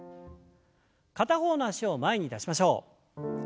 片方の脚を前に出しましょう。